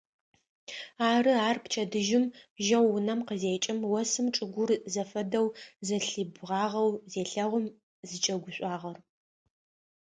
Ары ар пчэдыжьым жьэу унэм къызекӏым осым чӏыгур зэфэдэу зэлъибгъагъэу зелъэгъум зыкӏэгушӏуагъэр.